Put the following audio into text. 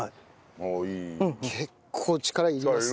結構力いりますね。